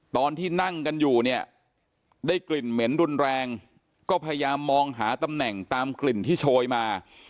ตอนที่นั่งกันอยู่เนี่ยได้กลิ่นเหม็นรุนแรงก็พยายามมองหาตำแหน่งตามกลิ่นที่โชยมา